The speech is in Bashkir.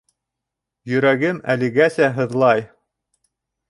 Йөрәгем әлегәсә һыҙлай.